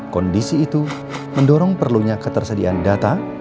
kondisi itu mendorong perlunya ketersediaan data